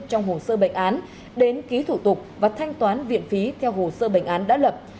trong hồ sơ bệnh án đến ký thủ tục và thanh toán viện phí theo hồ sơ bệnh án đã lập